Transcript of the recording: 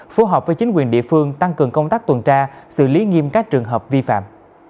phù hợp với chính quyền địa phương tăng cường công tác tuần tra xử lý nghiêm các trường hợp vi phạm